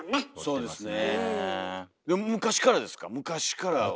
そうですね。